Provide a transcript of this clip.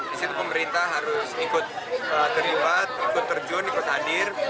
di situ pemerintah harus ikut terlibat ikut terjun ikut hadir